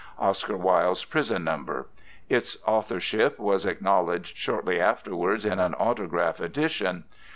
Oscar Wilde's prison number. Its authorship was acknowledged shortly afterwards in an autograph edition.